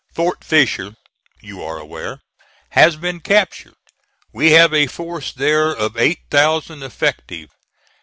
Fort Fisher, you are aware, has been captured. We have a force there of eight thousand effective.